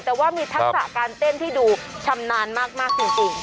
แต่ว่ามีทักษะการเต้นที่ดูชำนาญมากจริง